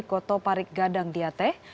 koto parik gadang diatih